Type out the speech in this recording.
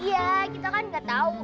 iya kita kan gak tau